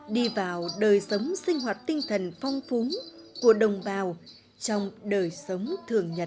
đi vào đời sống sinh hoạt tinh thần phong phú của đồng bào trong đời sống thường nhật